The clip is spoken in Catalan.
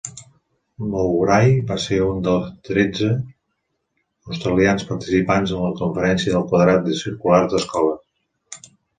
Mowbray va ser un de tretze australians participants en la Conferència del Quadrat Circular d'Escoles.